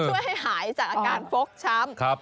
ช่วยให้หายจากอาการฟกช้ำ